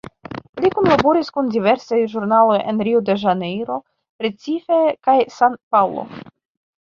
Li kunlaboris kun diversaj ĵurnaloj en Rio de Ĵanejro, Recife kaj San Paŭlo.